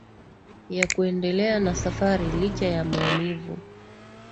ya kuendelea na safari licha ya maumivu